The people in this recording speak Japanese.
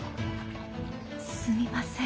すみません。